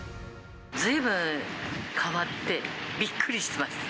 ずいぶん変わって、びっくりしてます。